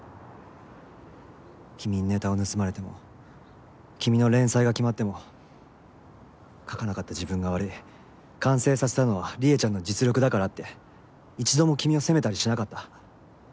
君にネタを盗まれても君の連載が決まっても描かなかった自分が悪い完成させたのはりえちゃんの実力だからって一度も君を責めたりしなかった。